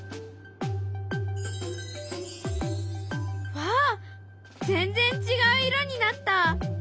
わあ全然違う色になった！